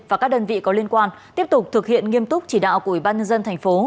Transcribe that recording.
và các đơn vị có liên quan tiếp tục thực hiện nghiêm túc chỉ đạo của ủy ban nhân dân thành phố